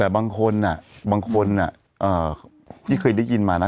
บางคนอ่ะบางคนอ่ะอ่าที่เคยได้ยินมาน่ะ